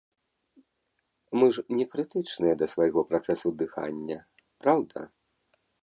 Мы ж не крытычныя да свайго працэсу дыхання, праўда?